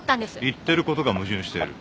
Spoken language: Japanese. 言ってることが矛盾している。